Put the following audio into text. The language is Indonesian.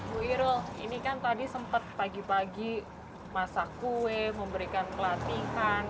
bu irul ini kan tadi sempat pagi pagi masak kue memberikan pelatihan